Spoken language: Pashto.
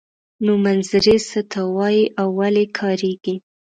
نومځري څه ته وايي او ولې کاریږي.